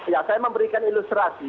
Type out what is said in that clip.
ya saya memberikan ilustrasi